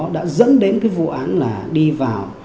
đã dẫn đến cái vụ án là đi vào